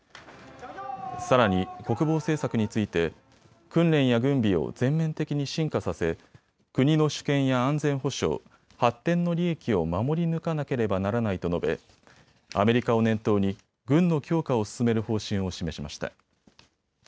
さらに国防政策について訓練や軍備を全面的に深化させ国の主権や安全保障、発展の利益を守り抜かなければならないと述べアメリカを念頭に軍の強化を進める方針を示しました。